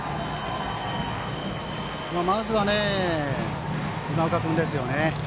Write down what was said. まずは今岡君ですよね。